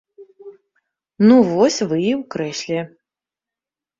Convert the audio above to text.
Ну, вось вы і ў крэсле.